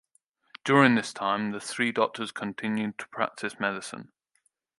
During this time, the three doctors continued to practice medicine.